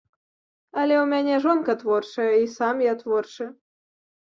Але ў мяне жонка творчая, і сам я творчы.